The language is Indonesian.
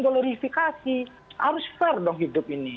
glorifikasi harus fair dong hidup ini